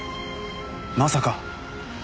まさか。